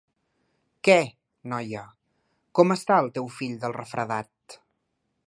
Què, noia, com està el teu fill del refredat?